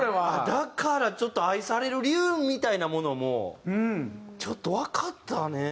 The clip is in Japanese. だからちょっと愛される理由みたいなものもちょっとわかったね。